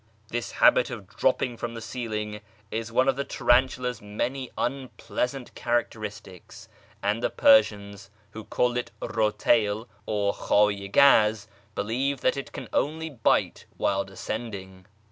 This habit of dropping from the ceiling is one of YEZD 385 the tarantula's many unpleasant characteristics, and the Per sians (who call it roUyl or lihAyS gaz) believe that it can only bite while descending.